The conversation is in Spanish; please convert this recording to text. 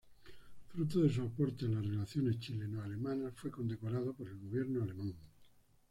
Fruto de su aporte a las relaciones chileno-alemanas, fue condecorado por el gobierno alemán.